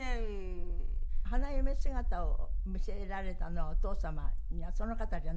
花嫁姿を見せられたのはお父様にはその方じゃないの？